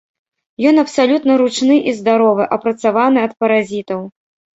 Ён абсалютна ручны і здаровы, апрацаваны ад паразітаў.